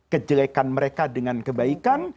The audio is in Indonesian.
kejelekan mereka dengan kebaikan